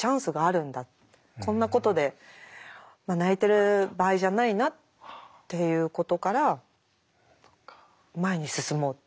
こんなことで泣いてる場合じゃないなっていうことから前に進もうって。